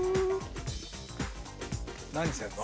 何してんの？